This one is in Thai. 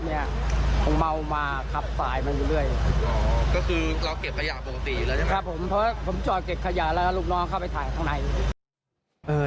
อย่าละลูกน้องเข้าไปถ่ายข้างใน